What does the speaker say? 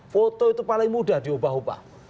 foto itu paling mudah diubah ubah